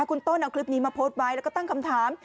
คุณต้นเอาคลิปนี้มาโพสต์ไว้แล้วก็ตั้งคำถาม